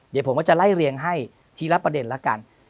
เดี๋ยวผมก็จะไล่เรียงให้ทีละประเด็นแล้วกัน